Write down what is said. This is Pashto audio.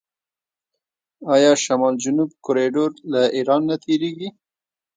آیا شمال جنوب کوریډور له ایران نه تیریږي؟